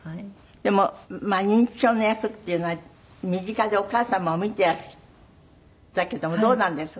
でも認知症の役っていうのは身近でお母様を見てらしたけどもどうなんです？